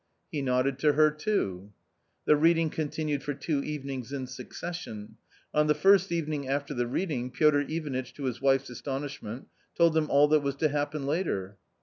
He nodded to her too. The reading continued for two evenings in succession. On the first evening after the reading, Piotr Ivanitch, to his wife's astonishment, told them all that was to happen later.